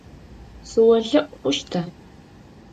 Сыолъэӏу хъущта?